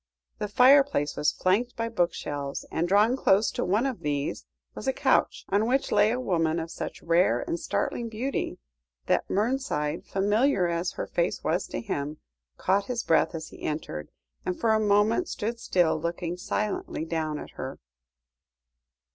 The fireplace was flanked by bookshelves, and drawn close to one of these was a couch, on which lay a woman of such rare and startling beauty, that Mernside, familiar as her face was to him, caught his breath as he entered, and for a moment stood still, looking silently down at her.